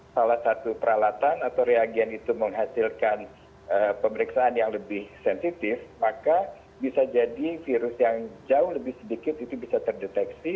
salah satu peralatan atau reagen itu menghasilkan pemeriksaan yang lebih sensitif maka bisa jadi virus yang jauh lebih sedikit itu bisa terdeteksi